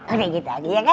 oke gitu aja ya kan